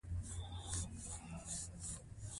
ملک صادق سانتیاګو ته دوه ډبرې ورکوي.